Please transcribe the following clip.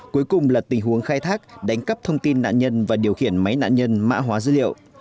cuối cùng là tình huống khai thác đánh cắp thông tin nạn nhân và điều khiển máy nạn nhân mã hóa dữ liệu